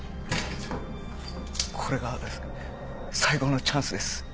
これが最後のチャンスです。